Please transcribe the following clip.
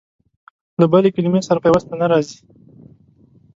له بلې کلمې سره پيوسته نه راځي.